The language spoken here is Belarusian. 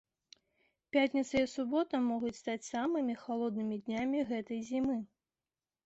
Пятніца і субота могуць стаць самымі халоднымі днямі гэтай зімы.